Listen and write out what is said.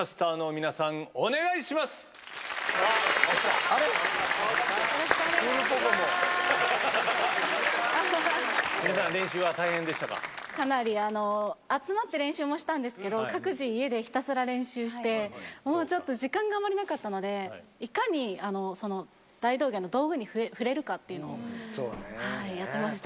皆さん、かなり、集まって練習もしたんですけど、各自、家でひたすら練習して、もうちょっと時間があまりなかったので、いかに大道芸の道具に触れるかっていうのをやってました。